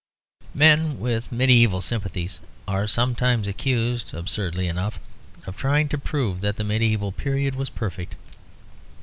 Men with medieval sympathies are sometimes accused, absurdly enough, of trying to prove that the medieval period was perfect.